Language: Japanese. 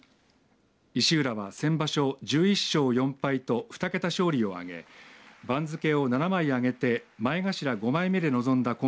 石浦は先場所１１勝４敗と２桁勝利をあげ番付を７枚上げて前頭５枚目で臨んだ